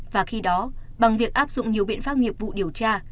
và khi đó bằng việc áp dụng nhiều biện pháp nghiệp vụ điều tra